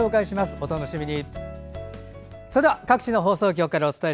お楽しみに。